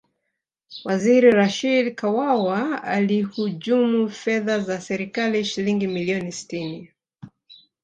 waziri rashid kawawa alihujumu fedha za serikali shilingi milioni sitini